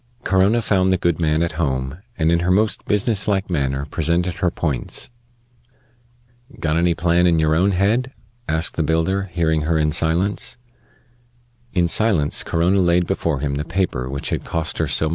Corona found the good man at home, and in her most business like manner presented her points. "Got any plan in yer own head?" asked the builder, hearing her in silence. In silence Corona laid before him the paper which had cost her so much toil.